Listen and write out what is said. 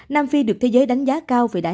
nam phi được thế giới đánh giá cao vì đã